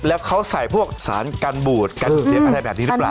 แล้วเขาใส่พวกสารกันบูดกันเสียบอะไรแบบนี้หรือเปล่า